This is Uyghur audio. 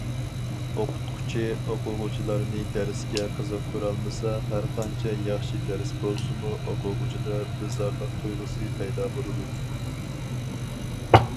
ئوقۇتقۇچى ئوقۇغۇچىلارنى دەرسكە قىزىقتۇرالمىسا، ھەر قانچە ياخشى دەرس بولسىمۇ ئوقۇغۇچىدا بىزارلىق تۇيغۇسى پەيدا بولىدۇ.